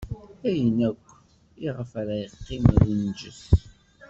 Ayen akk iɣef ara teqqim, ad inǧes.